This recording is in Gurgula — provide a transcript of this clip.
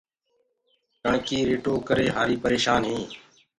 ڪڻڪي ريٽو ڪري هآري پرشآن هينٚ۔